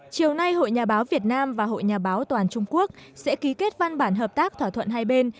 chiều nay hội nhà báo việt nam và hội nhà báo toàn trung quốc sẽ ký kết văn bản hợp tác thỏa thuận hai bên